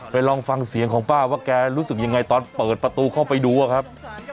ลองฟังเสียงของป้าว่าแกรู้สึกยังไงตอนเปิดประตูเข้าไปดูอะครับ